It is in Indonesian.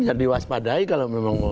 yang diwaspadai kalau memang